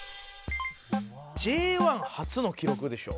Ｊ１初の記録でしょう？